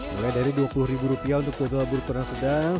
mulai dari dua puluh rupiah untuk dodol berukuran sedang